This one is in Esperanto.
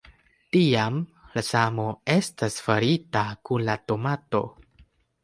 Tiam, la samo estas farita kun la tomato.